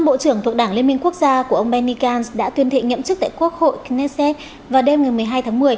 năm bộ trưởng thuộc đảng liên minh quốc gia của ông benny gantz đã tuyên thệ nhiệm chức tại quốc hội knesset vào đêm một mươi hai tháng một mươi